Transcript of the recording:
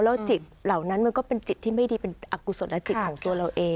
แล้วจิตเหล่านั้นมันก็เป็นจิตที่ไม่ดีเป็นอกุศลและจิตของตัวเราเอง